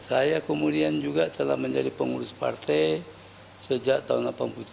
saya kemudian juga telah menjadi pengurus partai sejak tahun seribu sembilan ratus delapan puluh tiga